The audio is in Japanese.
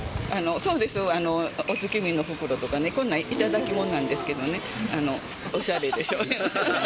そうです、お月見の袋とかね、こんなん、頂き物なんですけどね、おしゃれでしょ？